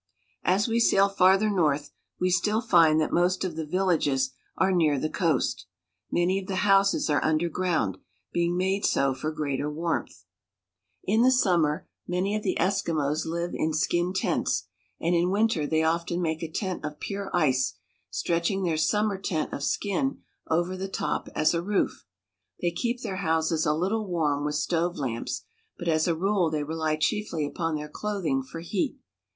As we sail farther north we still find that most of the vil lages are near the coast. Many of the houses are under ground, being made so for greater warmth. Totem Poles. SEALS. 303 In the summer many of the Eskimos Hve in skin tents, and in winter they often make a tent of pure ice, stretch ing their summer tent of skin over the top as a roof. They keep their houses a Httle warm with stove lamps, but as a rule they rely chiefly upon their clothing for heat.